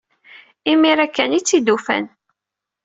Imir-a kan ay tt-id-ufan.